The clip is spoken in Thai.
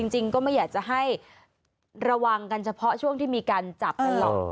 จริงก็ไม่อยากจะให้ระวังกันเฉพาะช่วงที่มีการจับกันหรอก